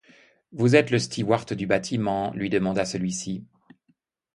Vous êtes le stewart du bâtiment? lui demanda celui-ci.